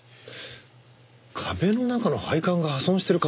壁の中の配管が破損してる可能性ありますね。